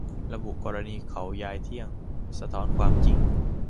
ระบุกรณีเขายายเที่ยง สะท้อนความจริง